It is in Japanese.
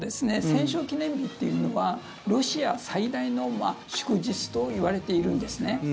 戦勝記念日というのはロシア最大の祝日といわれているんですね。